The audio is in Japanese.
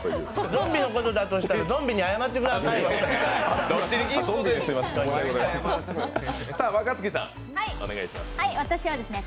ゾンビのことだとしたらゾンビに謝ってくださいね。